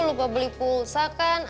lupa beli pulsa kan